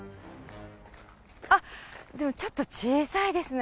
あっ、でもちょっと小さいですね。